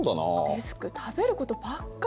デスク食べることばっかり。